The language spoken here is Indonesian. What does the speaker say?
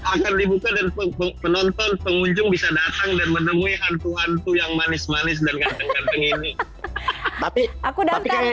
akan dibuka dan penonton pengunjung bisa datang dan menemui hantu hantu yang manis manis dan ganteng ganteng ini